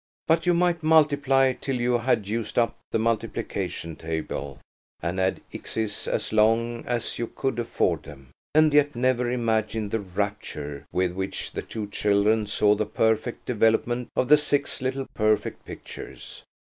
But you might multiply till you had used up the multiplication table, and add x's as long as you could afford them, and yet never imagine the rapture with which the two children saw the perfect development of the six little perfect pictures.